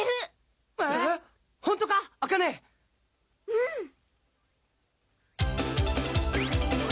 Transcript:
ほんとかあかねうんっ！